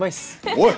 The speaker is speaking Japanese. おい！